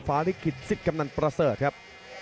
ฟ้าลิกฤทธิ์สิกกำนันประเสริฐครับ